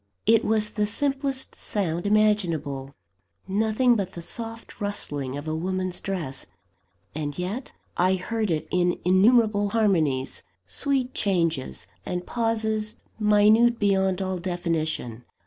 It was the simplest sound imaginable nothing but the soft rustling of a woman's dress. And yet, I heard in it innumerable harmonies, sweet changes, and pauses minute beyond all definition.